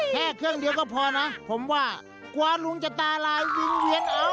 แค่เครื่องเดียวก็พอนะผมว่ากลัวลุงจะตาลายวิ่งเวียน